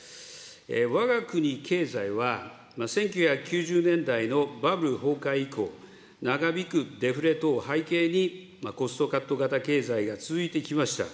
わが国経済は１９９０年代のバブル崩壊以降、長引くデフレ等を背景に、コストカット型経済が続いてきました。